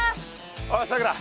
おいさくら！